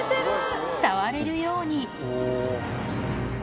触れるように。